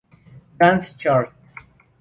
Dance chart.